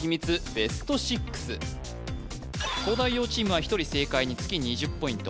ベスト６東大王チームは１人正解につき２０ポイント